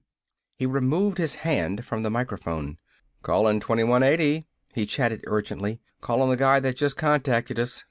He removed his hand from the microphone. "Callin' 2180!" he chattered urgently. "Calling the guy that just contacted us!